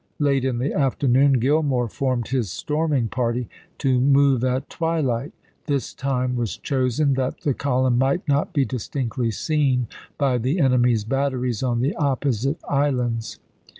Late in the afternoon Gillmore formed his storming party, to move at twilight ; this time was chosen that the column might not be distinctly seen by the enemy's batteries on the opposite islands.